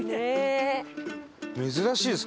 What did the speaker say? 珍しいです